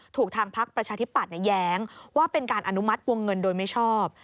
ถูกทางพักประชาธิปัตยแย้งว่าเป็นการอนุมัติวงเงินโดยไม่ชอบ